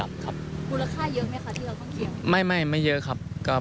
มูลค่าเยอะไหมคะที่คุณของเดียว